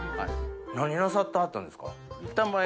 何なさってはったんですか？